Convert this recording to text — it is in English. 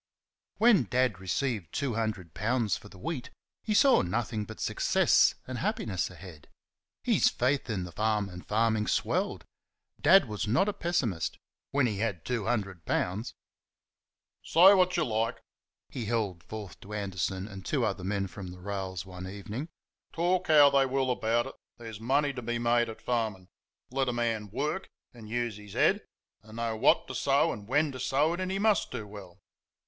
When Dad received two hundred pounds for the wheat he saw nothing but success and happiness ahead. His faith in the farm and farming swelled. Dad was not a pessimist when he had two hundred pounds. "Say what they like," he held forth to Anderson and two other men across the rails one evening "talk how they will about it, there's money to be made at farming. Let a man WORK and use his HEAD and know what to sow and when to sow it, and he MUST do well."